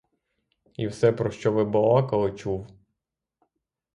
І все, про що ви балакали, чув.